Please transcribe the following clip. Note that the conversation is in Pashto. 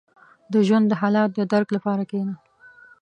• د ژوند د حالاتو د درک لپاره کښېنه.